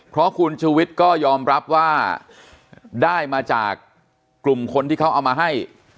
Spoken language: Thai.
เพราะคุณชูวิทย์ก็ยอมรับว่าได้มาจากกลุ่มคนที่เขาเอามาให้